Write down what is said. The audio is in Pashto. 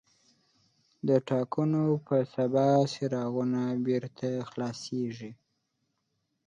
د ټاکنو په سبا څراغونه بېرته خلاصېږي.